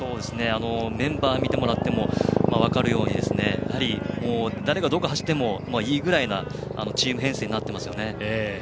メンバーを見ても分かるように誰がどこを走ってもいいくらいのチーム編成になっていますよね。